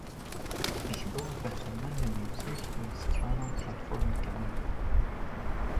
Ji bo behremendên muzîk û stranan platformeke nû.